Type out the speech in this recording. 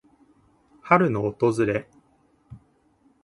春の訪れ。